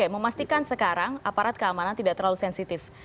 memastikan sekarang aparat keamanan tidak terlalu sensitif